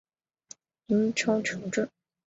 英超球证